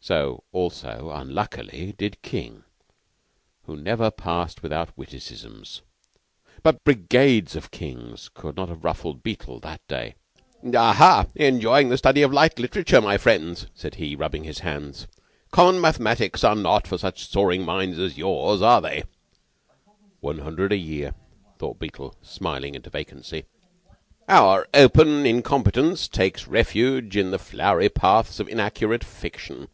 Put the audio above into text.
So also unluckily did King, who never passed without witticisms. But brigades of Kings could not have ruffled Beetle that day. "Aha! Enjoying the study of light literature, my friends," said he, rubbing his hands. "Common mathematics are not for such soaring minds as yours, are they?" ("One hundred a year," thought Beetle, smiling into vacancy.) "Our open incompetence takes refuge in the flowery paths of inaccurate fiction.